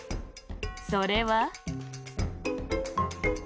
それは。